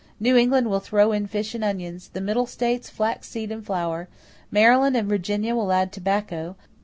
New England will throw in fish and onions. The middle states, flax seed and flour. Maryland and Virginia will add tobacco.